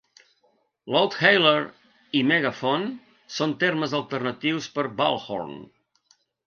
"Loudhailer" i "megaphone" són termes alternatius per a "bullhorn".